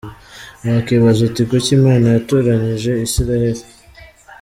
Wakwibaza uti kuki Imana yatoranyije Isiraheli ?